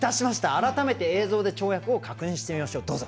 改めて映像で跳躍を確認してみましょうどうぞ！